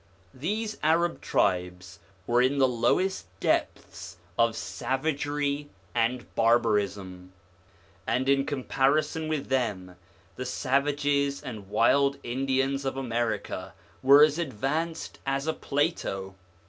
These Arab tribes were in the lowest depths of savagery and barbarism ; and in comparison with them the savages and wild Indians of America were as ad vanced as a Plato.